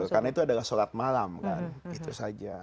karena itu adalah sholat malam kan itu saja